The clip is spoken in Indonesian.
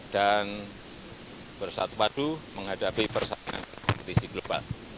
dan bersatu padu menghadapi persatuan kompetisi global